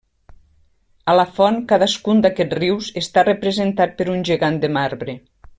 A la font cadascun d'aquests rius està representat per un gegant de marbre.